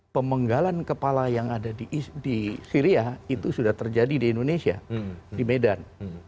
pemenggalan kepala yang ada di syria itu sudah terjadi di indonesia di medan